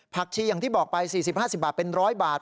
ชีอย่างที่บอกไป๔๐๕๐บาทเป็น๑๐๐บาท